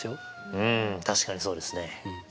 うん確かにそうですね。